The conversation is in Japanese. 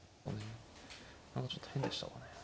何かちょっと変でしたかね。